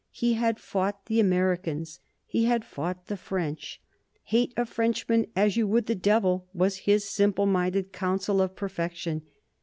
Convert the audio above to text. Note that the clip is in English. He had fought the Americans. He had fought the French. "Hate a Frenchman as you would the devil" was his simple minded counsel of perfection.